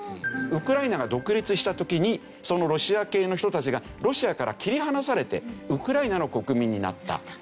ウクライナが独立した時にそのロシア系の人たちがロシアから切り離されてウクライナの国民になった。